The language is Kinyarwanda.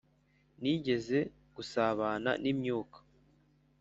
nigeze gusabana n'imyuka